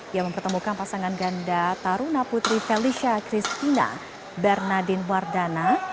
yang mempertemukan pasangan ganda taruna putri felicia christina bernardin wardana